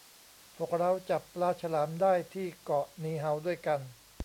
พวกเราจับปลาฉลามได้ที่เกาะนีเฮาด้วยกัน